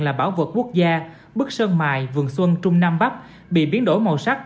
là bảo vật quốc gia bức sơn mài vườn xuân trung nam bắc bị biến đổi màu sắc